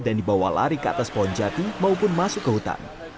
dan dibawa lari ke atas pohon jati maupun masuk ke hutan